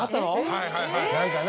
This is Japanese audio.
はいはいはい。